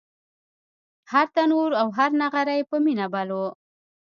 هر تنور او هر نغری په مینه بل و